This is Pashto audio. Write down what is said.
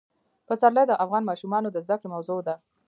پسرلی د افغان ماشومانو د زده کړې موضوع ده.